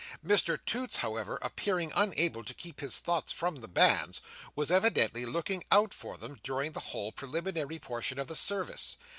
Mr Toots, however, appearing unable to keep his thoughts from the banns, was evidently looking out for them during the whole preliminary portion of the service.